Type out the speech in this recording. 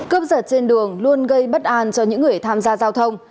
cướp giật trên đường luôn gây bất an cho những người tham gia giao thông